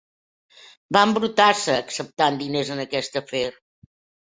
Va embrutar-se acceptant diners en aquest afer.